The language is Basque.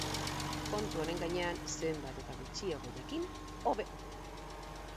Kontu honen gainean zenbat eta gutxiago jakin hobe...